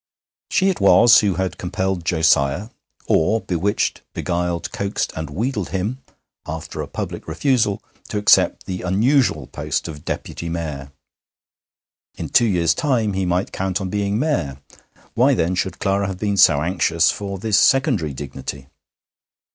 She it was who had compelled Josiah (or bewitched, beguiled, coaxed and wheedled him), after a public refusal, to accept the unusual post of Deputy Mayor. In two years' time he might count on being Mayor. Why, then, should Clara have been so anxious for this secondary dignity?